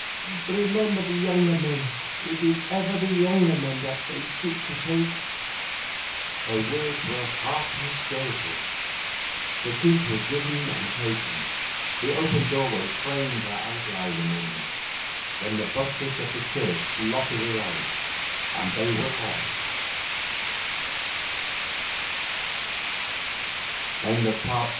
Remember the younger men; it is ever the younger men that they seek to take...!' Her words were half hysterical. The kiss was given and taken; the open doorway framed her outline a moment; then the buttress of the church blotted